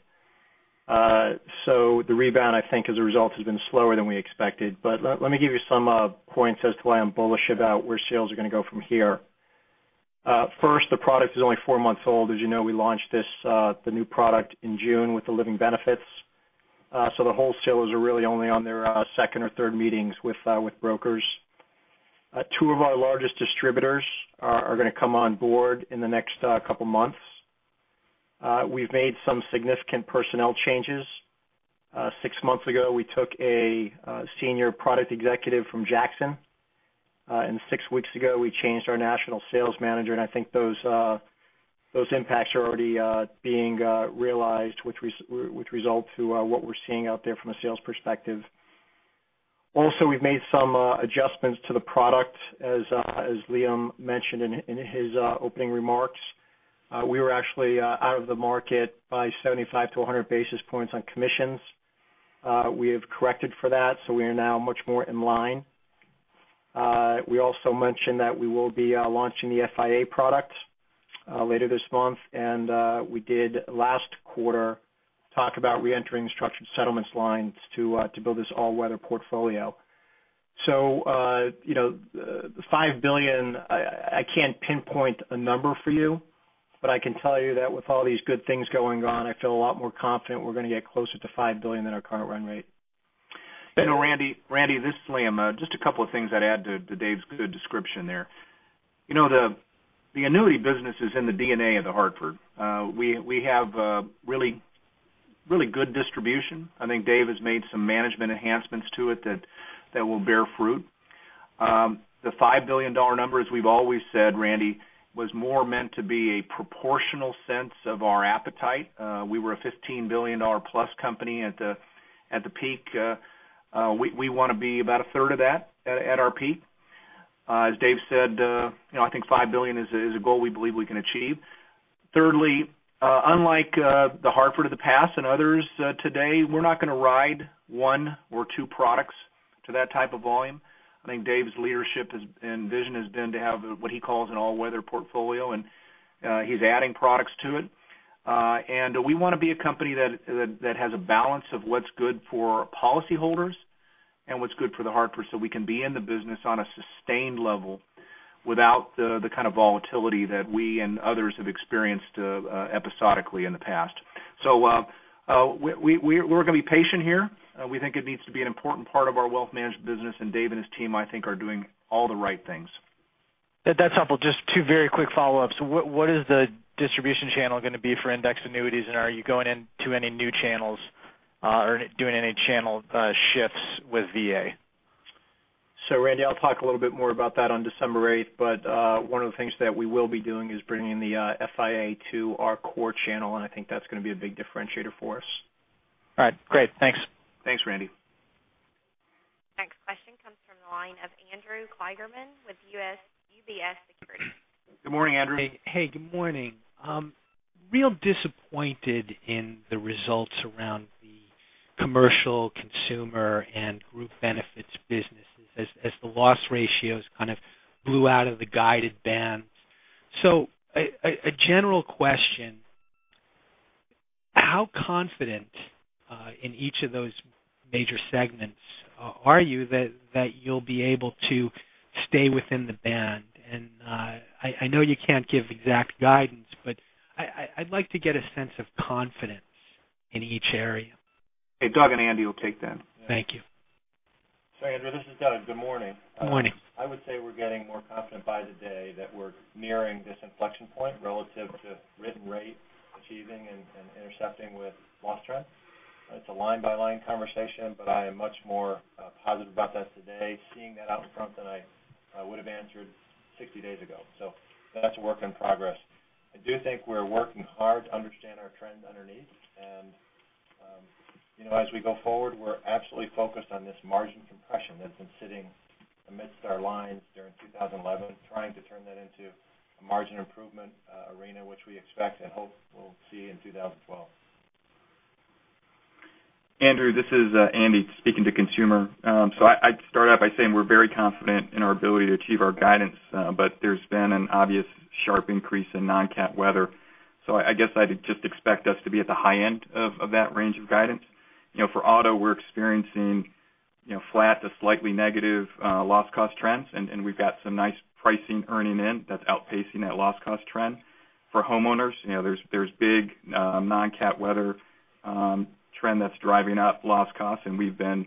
The rebound, I think, as a result, has been slower than we expected. Let me give you some points as to why I'm bullish about where sales are going to go from here. First, the product is only four months old. As you know, we launched the new product in June with the living benefits. The wholesalers are really only on their second or third meetings with brokers. Two of our largest distributors are going to come on board in the next couple of months. We've made some significant personnel changes. Six months ago, we took a senior product executive from Jackson. Six weeks ago, we changed our national sales manager, and I think those impacts are already being realized, which result to what we're seeing out there from a sales perspective. Also, we've made some adjustments to the product, as Liam mentioned in his opening remarks. We were actually out of the market by 75-100 basis points on commissions. We have corrected for that, we are now much more in line. We also mentioned that we will be launching the FIA product later this month. We did last quarter talk about re-entering the structured settlements line to build this all-weather portfolio. The $5 billion, I can't pinpoint a number for you, but I can tell you that with all these good things going on, I feel a lot more confident we're going to get closer to $5 billion than our current run rate. Randy, this is Liam. Just a couple of things I'd add to Dave's good description there. The annuity business is in the DNA of The Hartford. We have really good distribution. I think Dave has made some management enhancements to it that will bear fruit. The $5 billion number, as we've always said, Randy, was more meant to be a proportional sense of our appetite. We were a $15 billion+ company at the peak. We want to be about 1/3 of that at our peak. As Dave said, I think $5 billion is a goal we believe we can achieve. Thirdly, unlike The Hartford of the past and others today, we're not going to ride one or two products to that type of volume. I think Dave's leadership and vision has been to have what he calls an all-weather portfolio, and he's adding products to it. We want to be a company that has a balance of what's good for policyholders What's good for The Hartford so we can be in the business on a sustained level without the kind of volatility that we and others have experienced episodically in the past. We're going to be patient here. We think it needs to be an important part of our Wealth Management business, and Dave and his team, I think, are doing all the right things. That's helpful. Just two very quick follow-ups. What is the distribution channel going to be for indexed annuities, and are you going into any new channels or doing any channel shifts with VA? Randy, I'll talk a little bit more about that on December 8th, one of the things that we will be doing is bringing the FIA to our core channel, and I think that's going to be a big differentiator for us. All right, great. Thanks. Thanks, Randy. Next question comes from the line of Andrew Kligerman with UBS Securities. Good morning, Andrew. Hey, good morning. Real disappointed in the results around the Commercial, Consumer and Group Benefits businesses as the loss ratios kind of blew out of the guided bands. A general question, how confident in each of those major segments are you that you'll be able to stay within the band? I know you can't give exact guidance, I'd like to get a sense of confidence in each area. Hey, Doug and Andy will take that. Thank you. Andrew, this is Doug. Good morning. Good morning. I would say we're getting more confident by the day that we're nearing this inflection point relative to written rate achieving and intercepting with loss trends. It's a line-by-line conversation, but I am much more positive about that today, seeing that out in front than I would've answered 60 days ago. That's a work in progress. I do think we're working hard to understand our trends underneath. As we go forward, we're absolutely focused on this margin compression that's been sitting amidst our lines during 2011, trying to turn that into a margin improvement arena, which we expect and hope we'll see in 2012. Andrew, this is Andy speaking to consumer. I'd start out by saying we're very confident in our ability to achieve our guidance. There's been an obvious sharp increase in non-cat weather. I guess I'd just expect us to be at the high end of that range of guidance. For auto, we're experiencing flat to slightly negative loss cost trends, and we've got some nice pricing earning in that's outpacing that loss cost trend. For homeowners, there's big non-cat weather trend that's driving up loss costs, and we've been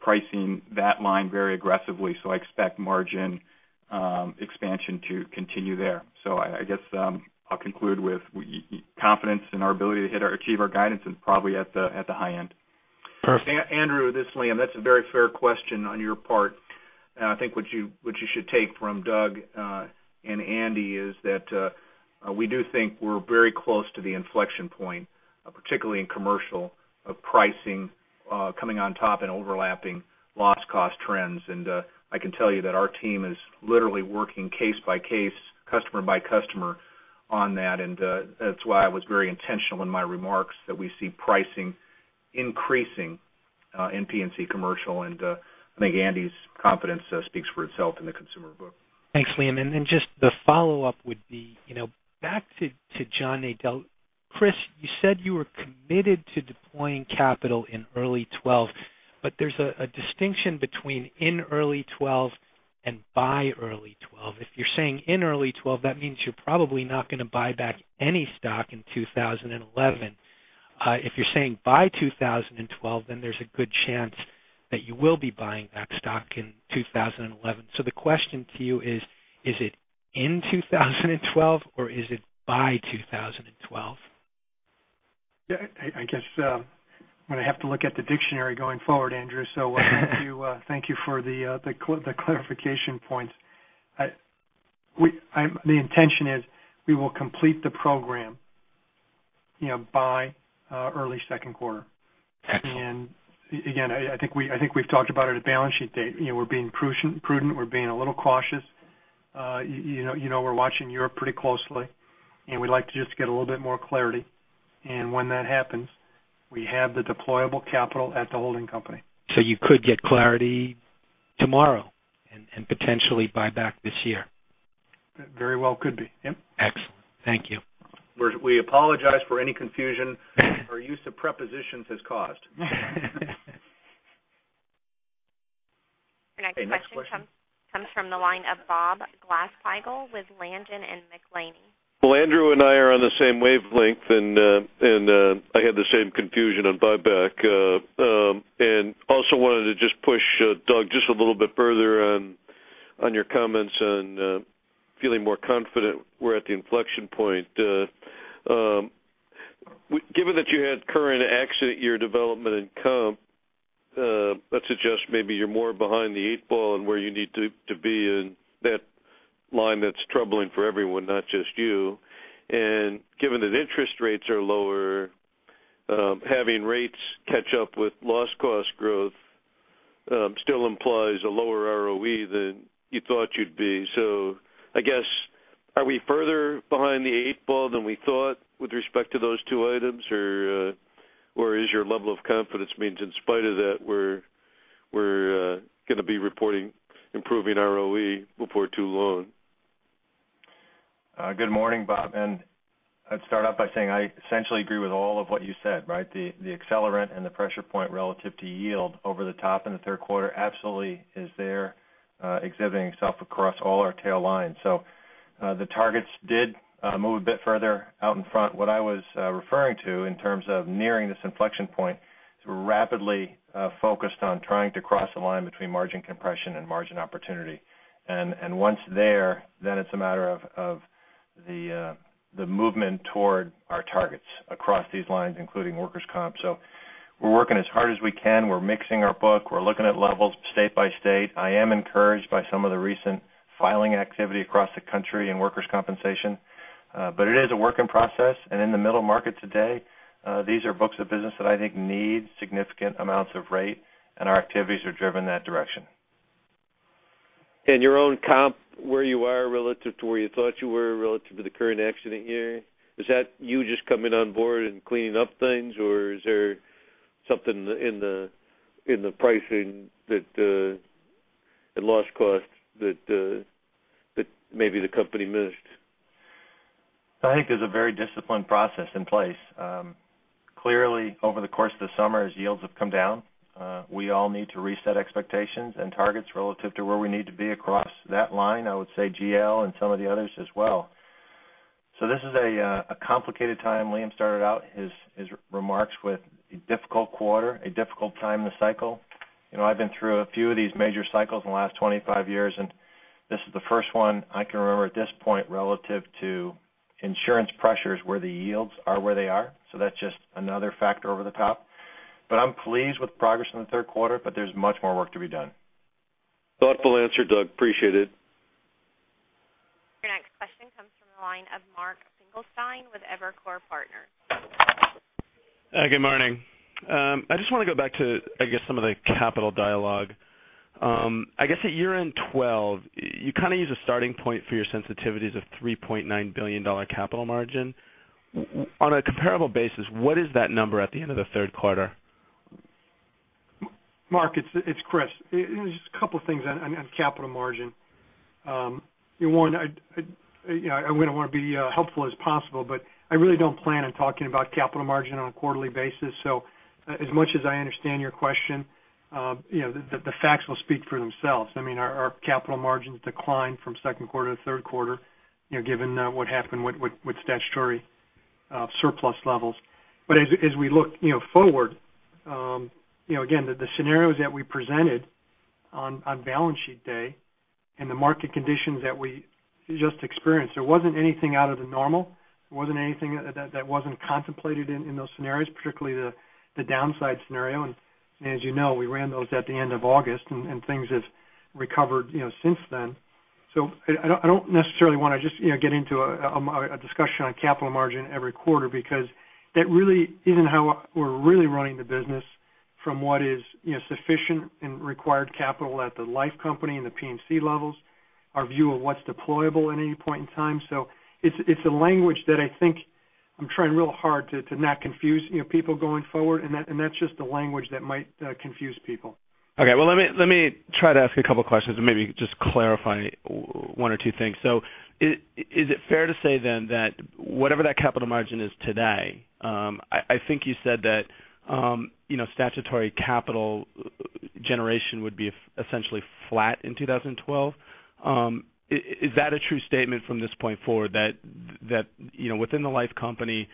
pricing that line very aggressively. I expect margin expansion to continue there. I guess I'll conclude with confidence in our ability to hit or achieve our guidance and probably at the high end. Perfect. Andrew, this is Liam. That's a very fair question on your part. I think what you should take from Doug and Andy is that we do think we're very close to the inflection point, particularly in commercial, of pricing coming on top and overlapping loss cost trends. I can tell you that our team is literally working case by case, customer by customer on that. That's why I was very intentional in my remarks that we see pricing increasing in P&C Commercial. I think Andy's confidence speaks for itself in the consumer book. Thanks, Liam. Just the follow-up would be back to John Nadel. Chris, you said you were committed to deploying capital in early 2012, there's a distinction between in early 2012 and by early 2012. If you're saying in early 2012, that means you're probably not going to buy back any stock in 2011. If you're saying by 2012, there's a good chance that you will be buying back stock in 2011. The question to you is it in 2012 or is it by 2012? I guess I'm going to have to look at the dictionary going forward, Andrew. Thank you for the clarification points. The intention is we will complete the program by early second quarter. Excellent. Again, I think we've talked about it at balance sheet date. We're being prudent. We're being a little cautious. We're watching Europe pretty closely, we'd like to just get a little bit more clarity. When that happens, we have the deployable capital at the holding company. You could get clarity tomorrow and potentially buy back this year? Very well could be. Yep. Excellent. Thank you. We apologize for any confusion our use of prepositions has caused. Your next question comes from the line of Bob Glasspiegel with Langen McAlenney. Well, Andrew and I are on the same wavelength. Also wanted to just push Doug just a little bit further on your comments on feeling more confident we're at the inflection point. Given that you had current accident year development in comp, let's suggest maybe you're more behind the eight ball in where you need to be in that line that's troubling for everyone, not just you. Given that interest rates are lower, having rates catch up with loss cost growth still implies a lower ROE than you thought you'd be. I guess, are we further behind the eight ball than we thought with respect to those two items, or is your level of confidence means in spite of that we're going to be reporting improving ROE before too long? Good morning, Bob. I'd start off by saying I essentially agree with all of what you said. The accelerant and the pressure point relative to yield over the top in the third quarter absolutely is there, exhibiting itself across all our tail lines. The targets did move a bit further out in front. What I was referring to in terms of nearing this inflection point is we're rapidly focused on trying to cross the line between margin compression and margin opportunity. Once there, then it's a matter of the movement toward our targets across these lines, including workers' comp. We're working as hard as we can. We're mixing our book. We're looking at levels state by state. I am encouraged by some of the recent filing activity across the country in workers' compensation. It is a work in process. In the middle market today, these are books of business that I think need significant amounts of rate, and our activities are driven in that direction. In your own comp, where you are relative to where you thought you were relative to the current accident year, is that you just coming on board and cleaning up things? Or is there something in the pricing that the loss cost that maybe the company missed? I think there's a very disciplined process in place. Clearly, over the course of the summer, as yields have come down, we all need to reset expectations and targets relative to where we need to be across that line, I would say GL and some of the others as well. This is a complicated time. Liam started out his remarks with a difficult quarter, a difficult time in the cycle. I've been through a few of these major cycles in the last 25 years, and this is the first one I can remember at this point relative to insurance pressures where the yields are where they are. That's just another factor over the top. I'm pleased with progress in the third quarter, but there's much more work to be done. Thoughtful answer, Doug. Appreciate it. Your next question comes from the line of Mark Finkelstein with Evercore Partners. Good morning. I just want to go back to some of the capital dialogue. I guess at year-end 2012, you kind of use a starting point for your sensitivities of $3.9 billion capital margin. On a comparable basis, what is that number at the end of the third quarter? Mark, it's Chris. I want to be helpful as possible, but I really don't plan on talking about capital margin on a quarterly basis. As much as I understand your question, the facts will speak for themselves. I mean, our capital margins declined from second quarter to third quarter, given what happened with statutory surplus levels. As we look forward, again, the scenarios that we presented on balance sheet day and the market conditions that we just experienced, there wasn't anything out of the normal. There wasn't anything that wasn't contemplated in those scenarios, particularly the downside scenario. As you know, we ran those at the end of August, and things have recovered since then. I don't necessarily want to just get into a discussion on capital margin every quarter because that really isn't how we're really running the business from what is sufficient and required capital at the life company and the P&C levels, our view of what's deployable at any point in time. It's a language that I think I'm trying real hard to not confuse people going forward, and that's just the language that might confuse people. Okay. Let me try to ask a couple of questions and maybe just clarify one or two things. Is it fair to say then that whatever that capital margin is today, I think you said that statutory capital generation would be essentially flat in 2012. Is that a true statement from this point forward that within the life company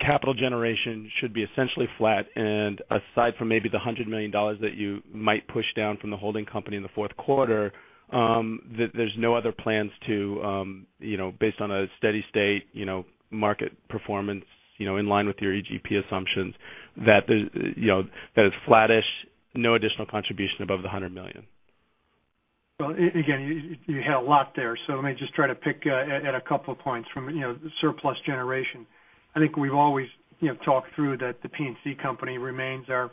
capital generation should be essentially flat, and aside from maybe the $100 million that you might push down from the holding company in the fourth quarter, there's no other plans to based on a steady state market performance in line with your EGP assumptions that it's flattish, no additional contribution above the $100 million? Again, you had a lot there. Let me just try to pick at a couple of points from surplus generation. I think we've always talked through that the P&C company remains our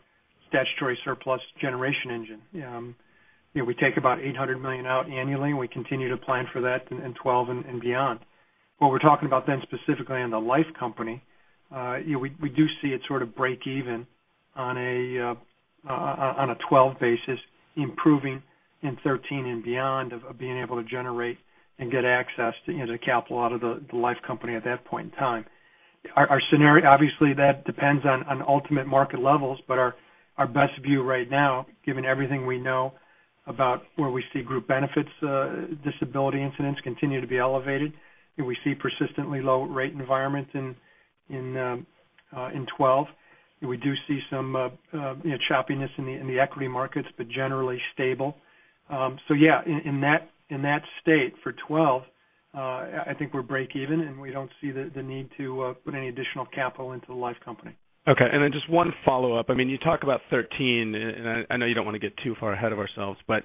statutory surplus generation engine. We take about $800 million out annually, and we continue to plan for that in 2012 and beyond. Specifically in the life company, we do see it sort of break even on a 2012 basis, improving in 2013 and beyond of being able to generate and get access to the capital out of the life company at that point in time. Obviously, that depends on ultimate market levels, but our best view right now, given everything we know about where we see group benefits disability incidents continue to be elevated, and we see persistently low rate environments in 2012. We do see some choppiness in the equity markets, but generally stable. Yeah, in that state for 2012, I think we're break even, and we don't see the need to put any additional capital into the life company. Okay, just one follow-up. You talk about 2013. I know you don't want to get too far ahead of ourselves, but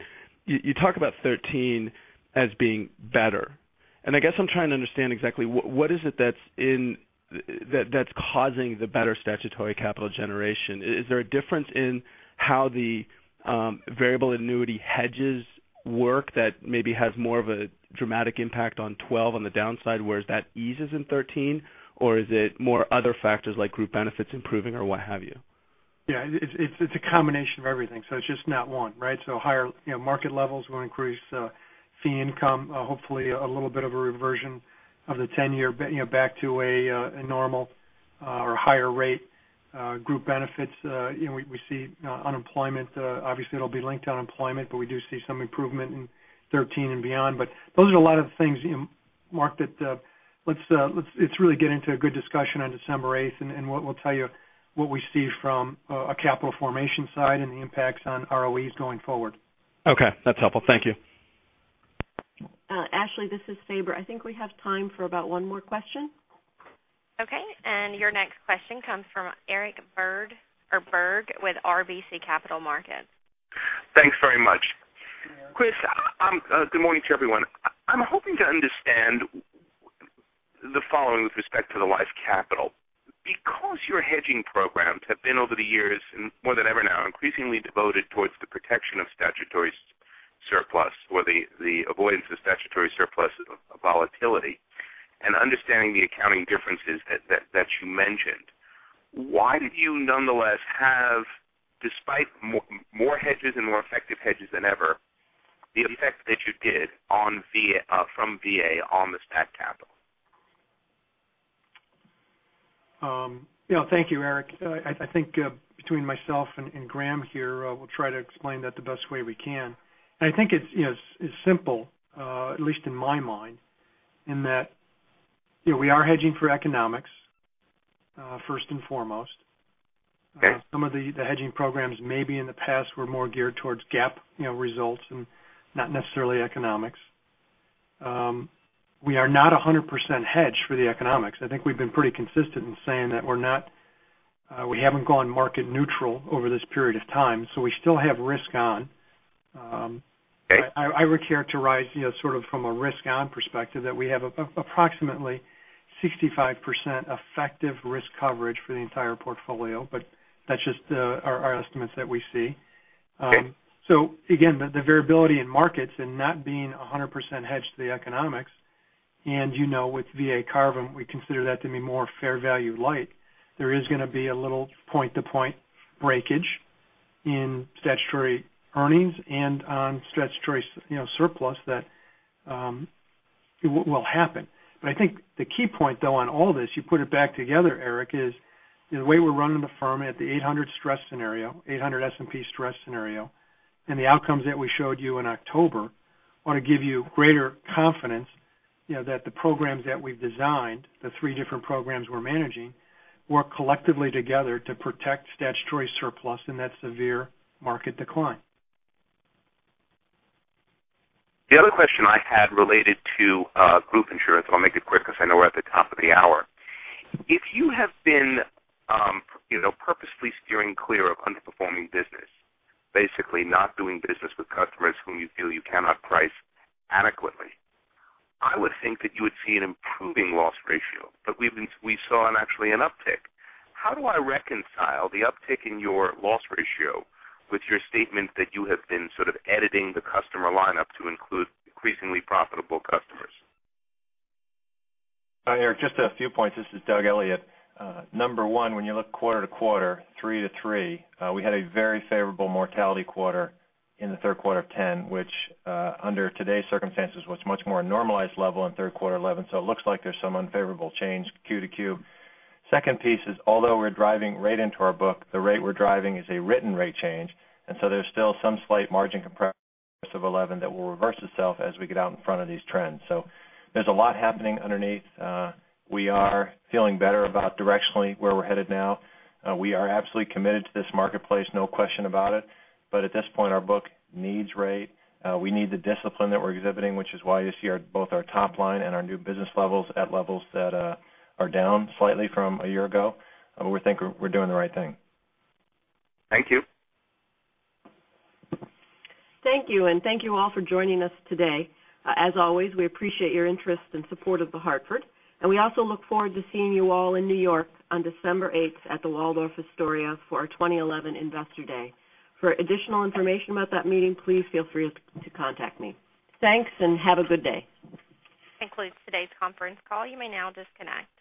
you talk about 2013 as being better. I guess I'm trying to understand exactly what is it that's causing the better statutory capital generation. Is there a difference in how the variable annuity hedges work that maybe have more of a dramatic impact on 2012 on the downside, whereas that eases in 2013? Or is it more other factors like group benefits improving or what have you? Yeah, it's a combination of everything. It's just not one, right? Higher market levels will increase fee income, hopefully a little bit of a reversion of the 10-year back to a normal or higher rate. Group benefits, we see unemployment. Obviously, it'll be linked to unemployment, but we do see some improvement in 2013 and beyond. Those are a lot of the things, Mark, that let's really get into a good discussion on December 8th and we'll tell you what we see from a capital formation side and the impacts on ROEs going forward. Okay, that's helpful. Thank you. Ashley, this is Sabra. I think we have time for about one more question. Okay. Your next question comes from Eric Berg with RBC Capital Markets. Thanks very much. Chris, good morning to everyone. I'm hoping to understand the following with respect to the life capital. Because your hedging programs have been over the years, and more than ever now, increasingly devoted towards the protection of statutory surplus or the avoidance of statutory surplus volatility, and understanding the accounting differences that you mentioned, why did you nonetheless have, despite more hedges and more effective hedges than ever, the effect that you did from VA on the stat capital? Thank you, Eric. I think between myself and Graham here, we'll try to explain that the best way we can. I think it's simple, at least in my mind, in that we are hedging for economics first and foremost. Okay. Some of the hedging programs maybe in the past were more geared towards GAAP results and not necessarily economics. We are not 100% hedged for the economics. I think we've been pretty consistent in saying that we haven't gone market neutral over this period of time. We still have risk on. Okay. I would characterize sort of from a risk-on perspective that we have approximately 65% effective risk coverage for the entire portfolio, that's just our estimates that we see. Okay. Again, the variability in markets and not being 100% hedged to the economics, and you know with VA CARVM, we consider that to be more fair value light. There is going to be a little point-to-point breakage in statutory earnings and on statutory surplus that will happen. I think the key point, though, on all this, you put it back together, Eric, is the way we're running the firm at the 800 S&P stress scenario and the outcomes that we showed you in October ought to give you greater confidence that the programs that we've designed, the three different programs we're managing, work collectively together to protect statutory surplus in that severe market decline. The other question I had related to group insurance, I'll make it quick because I know we're at the top of the hour. If you have been purposely steering clear of underperforming business, basically not doing business with customers whom you feel you cannot price adequately, I would think that you would see an improving loss ratio. We saw actually an uptick. How do I reconcile the uptick in your loss ratio with your statement that you have been sort of editing the customer lineup to include increasingly profitable customers? Eric, just a few points. This is Doug Elliot. Number one, when you look quarter to quarter, three to three, we had a very favorable mortality quarter in the third quarter of 2010, which under today's circumstances was much more normalized level in third quarter 2011. It looks like there's some unfavorable change Q to Q. Second piece is, although we're driving rate into our book, the rate we're driving is a written rate change, there's still some slight margin compression of 2011 that will reverse itself as we get out in front of these trends. There's a lot happening underneath. We are feeling better about directionally where we're headed now. We are absolutely committed to this marketplace, no question about it. At this point, our book needs rate. We need the discipline that we're exhibiting, which is why you see both our top line and our new business levels at levels that are down slightly from a year ago. We think we're doing the right thing. Thank you. Thank you, and thank you all for joining us today. As always, we appreciate your interest and support of The Hartford, and we also look forward to seeing you all in New York on December 8th at the Waldorf Astoria for our 2011 Investor Day. For additional information about that meeting, please feel free to contact me. Thanks, and have a good day. That concludes today's conference call. You may now disconnect.